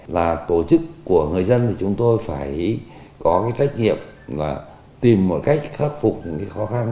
là tổ chức của người dân thì chúng tôi phải có cái trách nhiệm là tìm một cách khắc phục những khó khăn